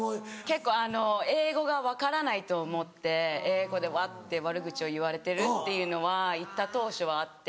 結構英語が分からないと思って英語でワッて悪口を言われてるっていうのは行った当初はあって。